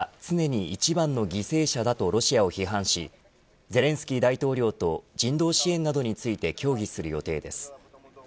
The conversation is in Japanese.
グテーレス事務総長は市民が常に一番の犠牲者だとロシアを批判しゼレンスキー大統領と人道支援などについて協議する予定です。